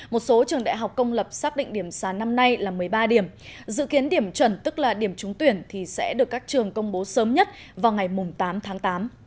một số trường đại học công lập xác định điểm sáng năm nay là một mươi ba điểm dự kiến điểm chuẩn tức là điểm trúng tuyển thì sẽ được các trường công bố sớm nhất vào ngày tám tháng tám